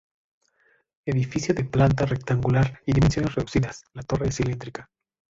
Edificio de planta rectangular y dimensiones reducidas, la torre es cilíndrica.